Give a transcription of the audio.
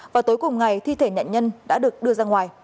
vào tối cùng ngày thi thể nạn nhân đã được đưa ra ngoài